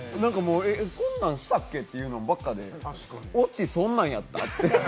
こんなんあったっけというものばっかで、オチそんなんやった？って。